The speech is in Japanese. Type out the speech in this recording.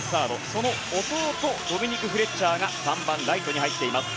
その弟ドミニク・フレッチャーが３番ライトに入っています。